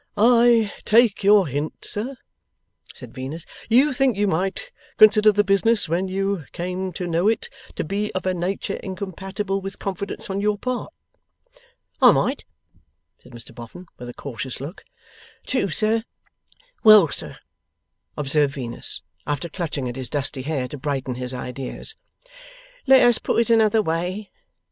'I take your hint, sir,' said Venus; 'you think you might consider the business, when you came to know it, to be of a nature incompatible with confidence on your part?' 'I might,' said Mr Boffin with a cautious look. 'True, sir. Well, sir,' observed Venus, after clutching at his dusty hair, to brighten his ideas, 'let us put it another way.